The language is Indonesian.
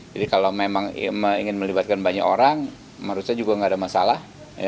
jadi kalau memang ingin melibatkan banyak orang seharusnya juga gak ada masalah